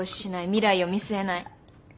未来を見据えない。